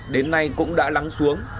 đến nay cũng đã lắng xuống